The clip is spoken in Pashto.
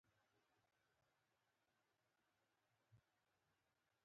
ځنګلونه د افغانستان د صادراتو برخه ده.